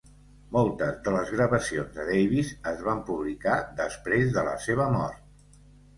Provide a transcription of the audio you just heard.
Moltes de les gravacions de Davis es van publicar després de la seva mort.